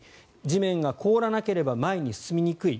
地面が凍らなければ前に進みにくい。